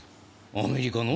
アメリカの？